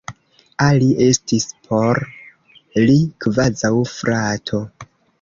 Ali estis por li kvazaŭ frato.